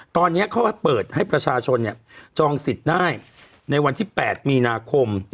ตอนนี้เขาเปิดให้ประชาชนจองสิทธิ์ได้ในวันที่๘มีนาคม